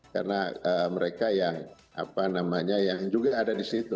karena mereka yang apa namanya yang juga ada di situ